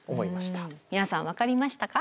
皆さん分かりましたか？